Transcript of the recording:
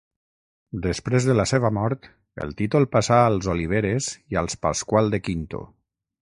Després de la seva mort, el títol passà als Oliveres i als Pasqual de Quinto.